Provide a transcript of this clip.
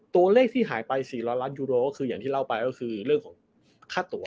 ตัวเลขที่หายไป๔๐๐ล้านยูโรก็คืออย่างที่เล่าไปก็คือเรื่องของค่าตัว